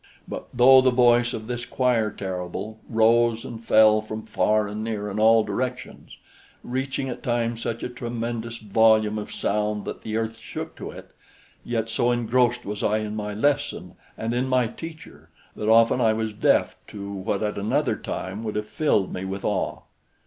But though the voice of this choir terrible rose and fell from far and near in all directions, reaching at time such a tremendous volume of sound that the earth shook to it, yet so engrossed was I in my lesson and in my teacher that often I was deaf to what at another time would have filled me with awe.